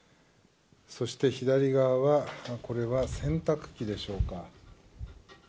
そして左側は洗濯機でしょうか。